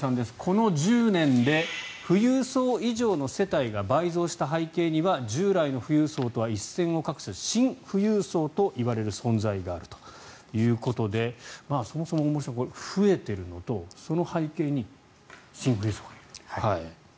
この１０年で富裕層以上の世帯が倍増した背景には従来の富裕層とは一線を画すシン富裕層といわれる存在があるということでそもそも大森さん、増えているのとその背景にシン富裕層がいると。